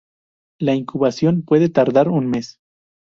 La incubación puede tardar un mes.